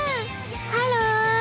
ハロー。